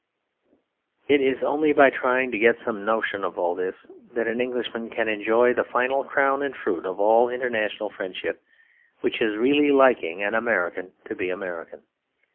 It is only by trying to get some notion of all this that an Englishman can enjoy the final crown and fruit of all international friendship; which is really liking an American to be American.